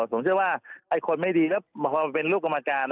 ผมเชื่อว่าไอ้คนไม่ดีแล้วพอเป็นลูกกรรมการ